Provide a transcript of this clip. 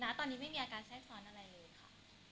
ตอนนี้ไม่มีอาการแทรกซ้อนอะไรเลยค่ะ